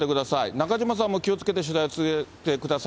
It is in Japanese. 中島さんも気をつけて取材を続けてください。